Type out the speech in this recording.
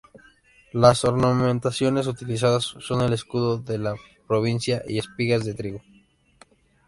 Las ornamentaciones utilizadas son el escudo de la provincia y espigas de trigo.